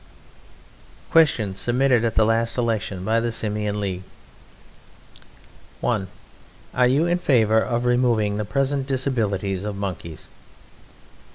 Questions submitted at the last Election by the Simian League 1. Are you in favour of removing the present disabilities of Monkeys?